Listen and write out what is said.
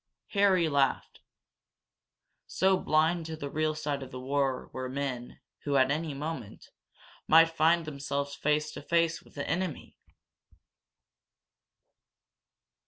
Harry laughed. So blind to the real side of war were men who, at any moment, might find themselves face to face with the enemy!